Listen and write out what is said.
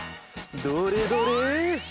どれどれ？